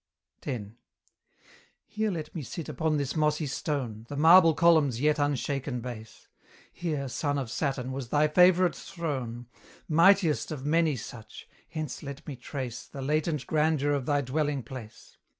X. Here let me sit upon this mossy stone, The marble column's yet unshaken base! Here, son of Saturn, was thy favourite throne! Mightiest of many such! Hence let me trace The latent grandeur of thy dwelling place.